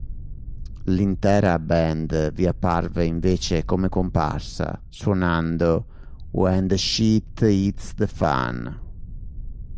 L'intera band vi apparve invece come comparsa suonando "When The Shit Hits The Fan".